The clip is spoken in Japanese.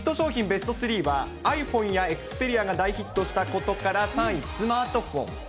ベスト３は、ｉＰｈｏｎｅやエクスペリアが大ヒットしたことから、３位スマートフォン。